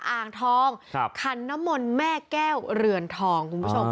อ่างทองคันนมลแม่แก้วเรือนทองคุณผู้ชม